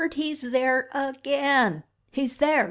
HE'S THERE AGAIN! HE'S THERE!